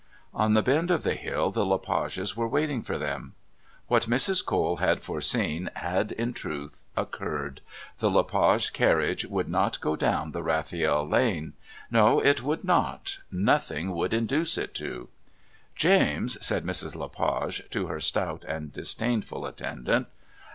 On the bend of the hill the Le Pages were waiting for them. What Mrs. Cole had foreseen had in truth occurred. The Le Page carriage would not go down the Rafiel Lane. No, it would, not... Nothing would induce it to. "James," said Mrs. Le Page to her stout and disdainful attendant.